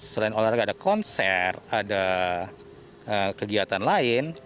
selain olahraga ada konser ada kegiatan lain